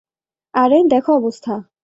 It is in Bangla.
আরে, দেখো অবস্থা।